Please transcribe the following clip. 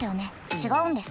違うんです。